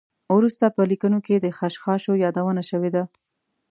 وروسته په لیکنو کې د خشخاشو یادونه شوې ده.